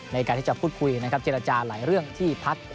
ในการที่จะพูดคุยนะครับเจรจาหลายเรื่องที่พัก